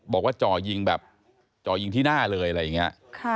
จ่อยิงแบบจ่อยิงที่หน้าเลยอะไรอย่างนี้